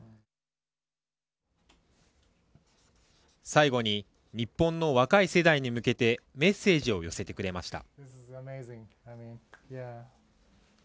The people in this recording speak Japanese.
最後に日本の若い世代に向けてメッセージを寄せてくれました。